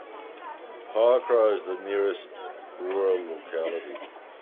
Pokrov is the nearest rural locality.